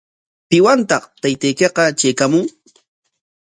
¿Piwantaq taytaykiqa traykaamun?